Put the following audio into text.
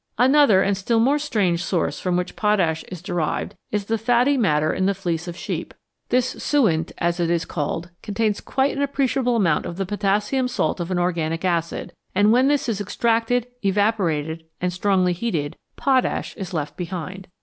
Another and still more strange source from which potash is derived is the fatty matter in the fleece of sheep. This " suint," as it is called, contains quite an appreciable amount of the potassium salt of an organic acid, and when this is extracted, evaporated, and strongly heated, potash is left behind.